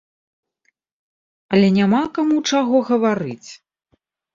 Але няма каму чаго гаварыць!